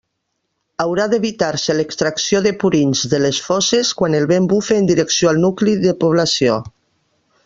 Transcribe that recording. Haurà d'evitar-se l'extracció de purins de les fosses quan el vent bufe en direcció al nucli de població.